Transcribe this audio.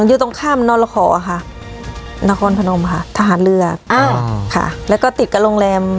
อยู่ตรงข้ามนรขอค่ะนครพนมค่ะทหารเรืออ่าค่ะแล้วก็ติดกับโรงแรม